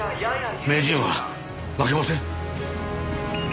名人は負けません。